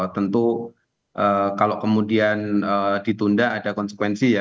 tentu kalau kemudian ditunda ada konsekuensi ya